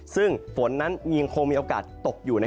ซึ่งฝนนั้นยังคงมีโอกาสตกอยู่